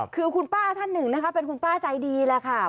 คือคุณป้าท่านหนึ่งนะคะเป็นคุณป้าใจดีแหละค่ะ